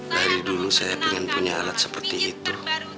dari dulu saya ingin punya alat seperti itu